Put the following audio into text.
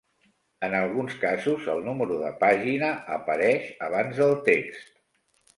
En alguns casos el número de pàgina apareix abans del text.